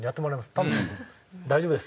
多分大丈夫です。